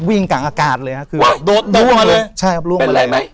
วิ่งกลางอากาศเลยครับคือก็ล้วงมาเลย